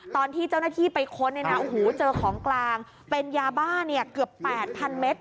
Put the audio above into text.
ตอนที่เจ้าหน้าที่ไปค้นเนี่ยนะโอ้โหเจอของกลางเป็นยาบ้าเกือบ๘๐๐เมตร